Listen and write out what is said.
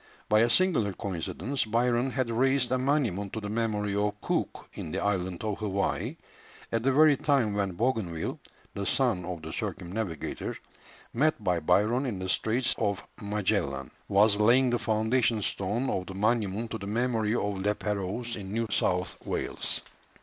By a singular coincidence Byron had raised a monument to the memory of Cook in the island of Hawaii, at the very time when Bougainville, the son of the circumnavigator, met by Byron in the Straits of Magellan, was laying the foundation stone of the monument to the memory of La Pérouse in New South Wales.